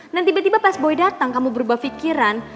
dan tiba tiba pas boy datang kamu berubah pikiran